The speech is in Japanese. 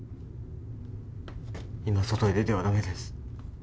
今外へ出ては駄目です。